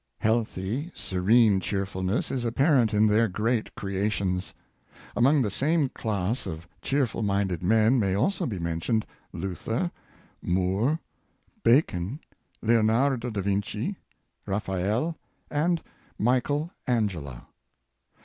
Healthy, serene cheerfulness is apparent in their great creations. Among the same class of cheerful minded men may also be mentioned Luther, Moore, Bacon, Leonardo da Vinci, Raphael, and Michael Angelo.